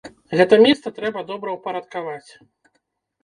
Гэта месца трэба добраўпарадкаваць.